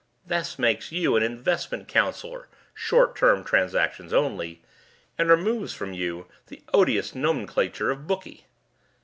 This makes you an 'Investment Counselor, short term transactions only,' and removes from you the odious nomenclature of 'Bookie.'